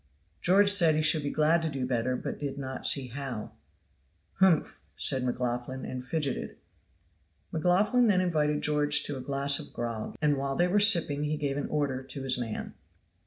George said he should be glad to do better, but did not see how. "Humph!" said McLaughlan, and fidgeted. McLaughlan then invited George to a glass of grog, and while they were sipping he gave an order to his man.